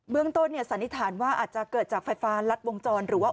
เรื่องต้นสันนิษฐานว่าอาจจะเกิดจากไฟฟ้ารัดวงจรหรือว่า